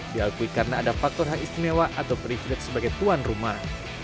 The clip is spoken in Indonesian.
diakui karena ada faktor hak istimewa atau privilege sebagai tuan rumah